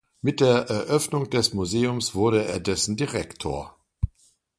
Mit der Eröffnung des Museums wurde er dessen Direktor.